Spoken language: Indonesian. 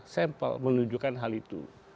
sampel menunjukkan hal itu